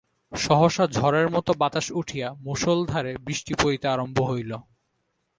সহসা ঝড়ের মতো বাতাস উঠিয়া মুষলধারে বৃষ্টি পড়িতে আরম্ভ হইল।